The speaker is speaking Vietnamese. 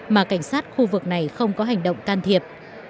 mà cảnh sát khu vực này không có hành động can thiệp